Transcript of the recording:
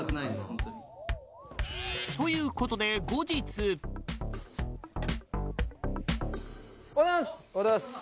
ホントにということで後日おはようございますおはようございます